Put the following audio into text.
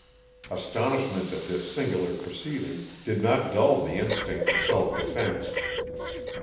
Astonishment at this singular proceeding did not dull the instinct of self defense.